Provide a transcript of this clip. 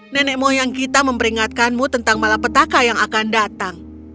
nenek moyang kita memperingatkanmu tentang malapetaka yang akan datang